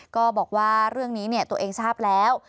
ก็บอกว่าเรื่องนี้ตัวเองทราบแล้ว